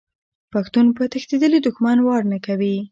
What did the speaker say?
پښتون په تښتیدلي دښمن وار نه کوي.